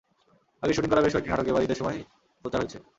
আগের শুটিং করা বেশ কয়েকটি নাটক এবার ঈদের সময় প্রচার হয়েছে।